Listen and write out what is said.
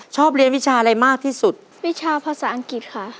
ชอบเรียนวิชาอะไรมากที่สุดวิชาภาษาอังกฤษค่ะ